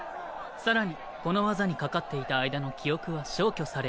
更にこの技にかかっていた間の記憶は消去される。